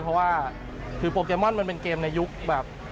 เพราะว่าคือโปเกมอนมันเป็นเกมในยุคแบบ